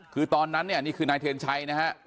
คือตอนนั้นนี่คือนายเทียนชัยนะฮะ